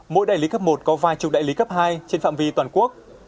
mỗi đại lý cấp một có vài chục đại lý cấp hai trên phạm vi toàn quốc